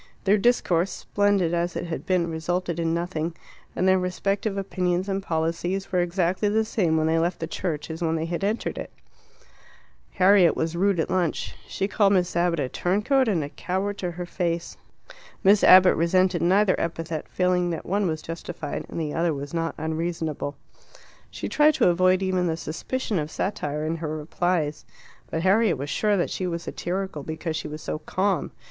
Their discourse, splendid as it had been, resulted in nothing, and their respective opinions and policies were exactly the same when they left the church as when they had entered it. Harriet was rude at lunch. She called Miss Abbott a turncoat and a coward to her face. Miss Abbott resented neither epithet, feeling that one was justified and the other not unreasonable. She tried to avoid even the suspicion of satire in her replies. But Harriet was sure that she was satirical because she was so calm.